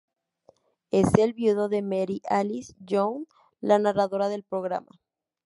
Es el viudo de Mary Alice Young, la narradora del programa.